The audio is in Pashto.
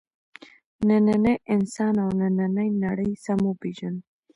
نننی انسان او نننۍ نړۍ سم وپېژنو.